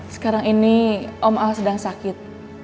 sekarang ini om a sedang sakit